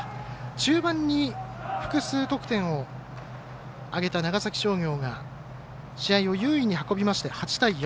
中盤に複数得点を挙げた長崎商業が試合を優位に運びまして８対４。